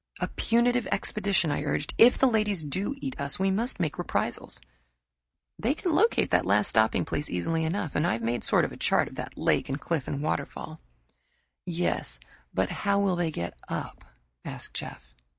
"A punitive expedition," I urged. "If the ladies do eat us we must make reprisals." "They can locate that last stopping place easy enough, and I've made a sort of chart of that lake and cliff and waterfall." "Yes, but how will they get up?" asked Jeff.